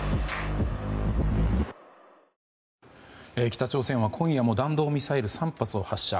北朝鮮は今夜も弾道ミサイル３発を発射。